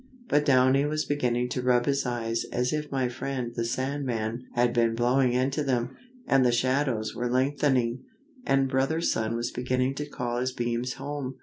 But Downy was beginning to rub his eyes as if my friend the Sand man had been blowing into them, and the shadows were lengthening, and Brother Sun was beginning to call his beams home.